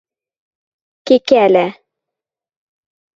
Кекӓлӓ...